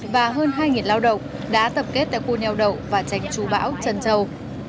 và hơn hai lao động đã tập kết tại khu neo đậu và tránh chú bão trần châu